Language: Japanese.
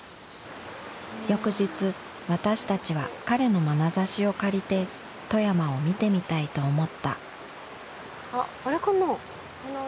翌日私たちは彼の眼差しを借りて富山を見てみたいと思ったあっあれかな？